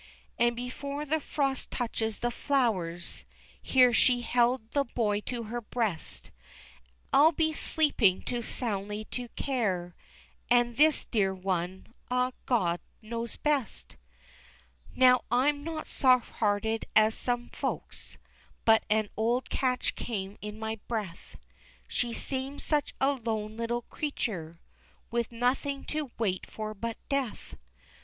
And before the frost touches the flowers" Here she held the boy to her breast "I'll be sleeping too soundly to care, And this dear one ah, God knows best!" Now I'm not soft hearted as some folks, But an odd catch came in my breath, She seemed such a lone little creature, With nothing to wait for but death.